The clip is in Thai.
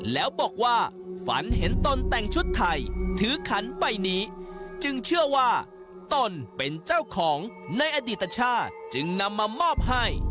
แล้วบอกว่าฝันเห็นตนแต่งชุดไทยถือขันใบนี้จึงเชื่อว่าตนเป็นเจ้าของในอดีตชาติจึงนำมามอบให้